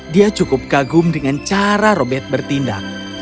dia cukup kagum dengan cara robert bertindak